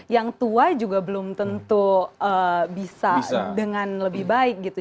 yang tua juga belum tentu bisa dengan lebih baik gitu